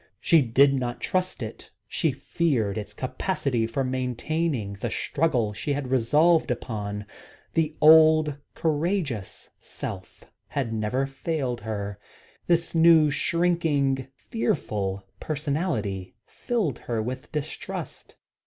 She did not trust it; she feared its capacity for maintaining the struggle she had resolved upon. The old courageous self had never failed her, this new shrinking fearful personality filled her with distrust.